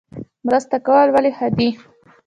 مرسته کول ولې ښه دي؟